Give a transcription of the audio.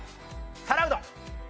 皿うどん。